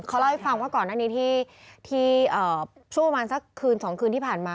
เขาเล่าให้ฟังว่าก่อนหน้านี้ที่ช่วงประมาณสักคืน๒คืนที่ผ่านมา